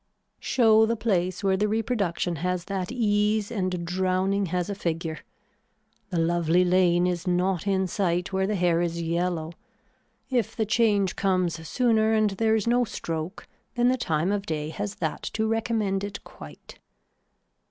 Show the place where the reproduction has that ease and drowning has a figure. The lovely lane is not in sight where the hair is yellow. If the change comes sooner and there is no stroke then the time of day has that to recommend it quite.